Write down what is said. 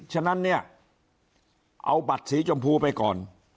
ฉะนั้นเนี่ยเอาบัตรสีชมพูไปก่อน